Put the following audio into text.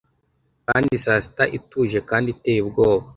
kandi saa sita ituje kandi iteye ubwoba